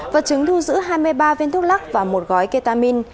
vật chứng thu giữ hai mươi ba viên thuốc lắc và một gói ketamin